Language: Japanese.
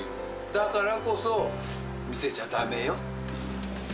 だからこそ、見せちゃだめよっていう。